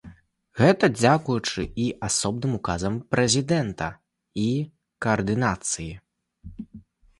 Гэта дзякуючы і асобным указам прэзідэнта, і каардынацыі.